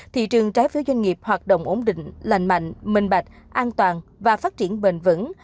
thị trường trái phiếu doanh nghiệp hoạt động ổn định lành mạnh minh bạch an toàn và phát triển bền vững